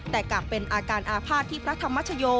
แต่กลับเป็นอาการอาภาษณ์ที่พระธรรมชโย